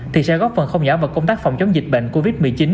thì sẽ góp phần không nhỏ vào công tác phòng chống dịch bệnh covid một mươi chín